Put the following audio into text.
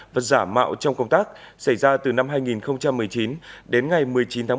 và giả mạo trong công tác xảy ra từ năm hai nghìn một mươi chín đến ngày một mươi chín tháng một